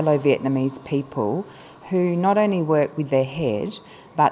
tôi biết rằng chủ tịch việt nam